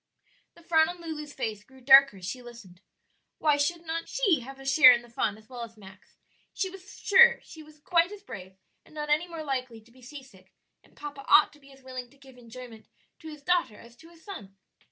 The frown on Lulu's face grew darker as she listened. Why should not she have a share in the fun as well as Max? she was sure she was quite as brave, and not any more likely to be seasick; and papa ought to be as willing to give enjoyment to his daughter as to his son.